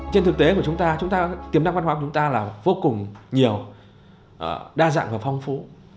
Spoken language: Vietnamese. trên thực tế của chúng ta tiềm năng văn hóa của chúng ta là vô cùng nhiều đa dạng và phong phú